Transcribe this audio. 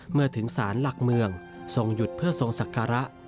เมื่อถึงศาลหลักเมืองทรงหยุดเพื่อทรงศักระ